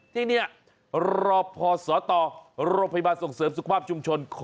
ที่นี่รอพอสตโรงพยาบาลส่งเสริมสุขภาพชุมชน